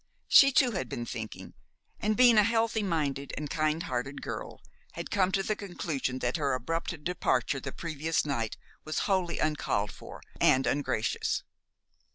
She too had been thinking, and, being a healthy minded and kind hearted girl, had come to the conclusion that her abrupt departure the previous night was wholly uncalled for and ungracious.